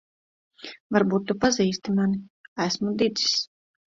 Varbūt tu pazīsti mani. Esmu Didzis.